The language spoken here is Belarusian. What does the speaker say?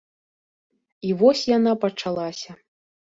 І вось яна пачалася.